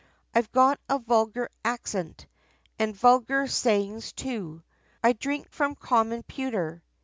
"I've got a vulgar accent, And vulgar sayin's too. I drink, from common pewter.